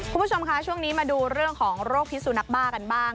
คุณผู้ชมคะช่วงนี้มาดูเรื่องของโรคพิสุนักบ้ากันบ้าง